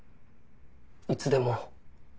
いつでも。